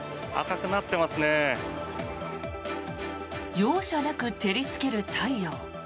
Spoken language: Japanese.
容赦なく照りつける太陽。